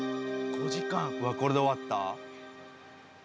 これで終わった？